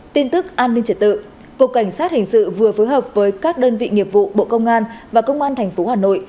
tin tức an ninh trật tự cục cảnh sát hình sự vừa phối hợp với các đơn vị nghiệp vụ bộ công an và công an tp hà nội